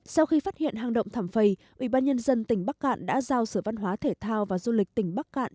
sau khi phát hiện hang động thảm phầy ủy ban nhân dân tỉnh bắc cạn đã giao sở văn hóa thể thao và du lịch tỉnh bắc cạn